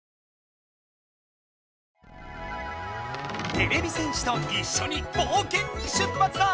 てれび戦士といっしょにぼうけんに出ぱつだ！